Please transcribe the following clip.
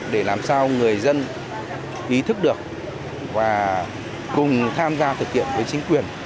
để làm sao người dân ý thức được và cùng tham gia thực hiện với chính quyền